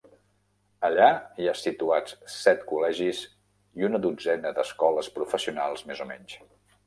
Allà hi ha situats set col·legis i una dotzena d'escoles professionals més o menys.